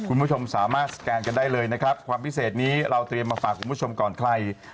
คุณผู้ชมสามารถสแกนกันได้เลยนะครับความพิเศษนี้เราเตรียมมาฝากคุณผู้ชมก่อนใคร